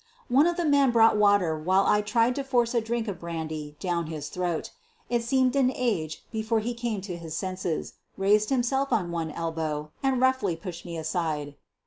One of the men brought water while I tried to force a drink of brandy down his throat. It seemed an age before he came to his senses, raised himself on one elbow and roughly pushed me aside.